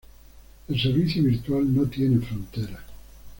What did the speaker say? El servicio virtual no tiene fronteras.